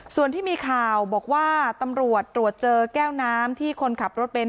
ส่วนที่มีข่าวบอกว่าตำรวจตรวจเจอแก้วน้ำที่คนขับรถเบนท